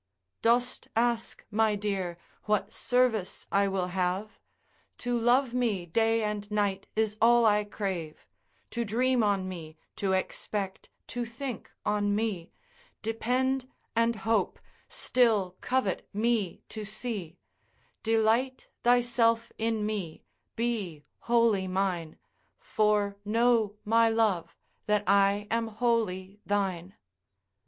Dost ask (my dear) what service I will have? To love me day and night is all I crave, To dream on me, to expect, to think on me, Depend and hope, still covet me to see, Delight thyself in me, be wholly mine, For know, my love, that I am wholly thine.